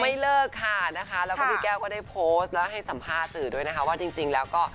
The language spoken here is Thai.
ไม่เลิกค่ะนะคะแล้วก็พี่แก้วก็ได้โพสต์แล้วให้สัมภาษณ์สื่อด้วยนะคะว่าจริงแล้วก็